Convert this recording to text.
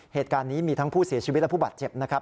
เหตุการณ์นี้มีทั้งผู้เสียชีวิตและผู้บาดเจ็บนะครับ